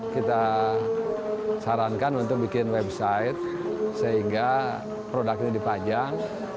kita sarankan untuk bikin website sehingga produk ini dipajang